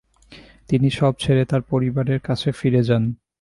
তিনি সব ছেড়ে তার পরিবার এর কাছে ফিরে যান।